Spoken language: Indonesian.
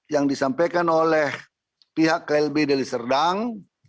yang disampaikan oleh pihak klb deli serdang